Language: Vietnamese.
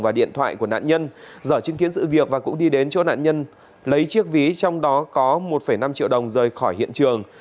và điện thoại của nạn nhân dở chứng kiến sự việc và cũng đi đến chỗ nạn nhân lấy chiếc ví trong đó có một năm triệu đồng rời khỏi hiện trường